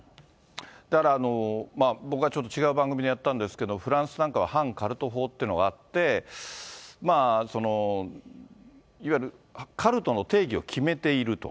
だから、僕はちょっと違う番組でやったんですけど、フランスなんかは反カルト法っていうのがあって、いわゆるカルトの定義を決めていると。